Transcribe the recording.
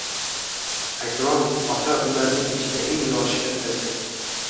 Akrom ota ularning ichida eng yoshi kattasi